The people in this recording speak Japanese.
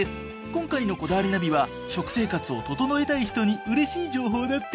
今回の『こだわりナビ』は食生活を整えたい人にうれしい情報だって！